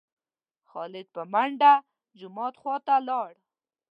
خالد په منډه جومات خوا ته لاړ.